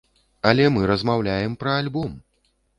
Але мы размаўляем пра альбом!